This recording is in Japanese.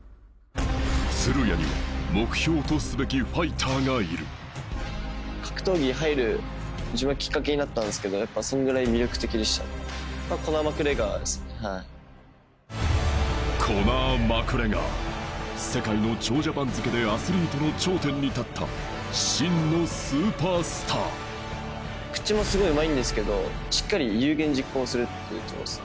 鶴屋には目標とすべきファイターがいる格闘技入る自分はきっかけになったんですけどやっぱそんぐらい魅力的でしたコナー・マクレガー世界の長者番付でアスリートの頂点に立った真のスーパースター口もすごいうまいんですけどしっかり有言実行するっていうところですね